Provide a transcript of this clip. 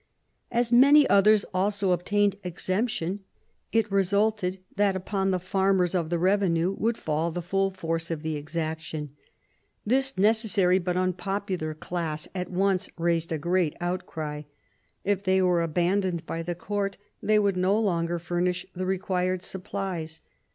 As many others also obtained exemption, it resulted that upon the farmers of the revenue would fall the full force of the exaction. This necessary but unpopular class at once raised a great outcry. If they were abandoned by the court they would no longer furnish the required supplies.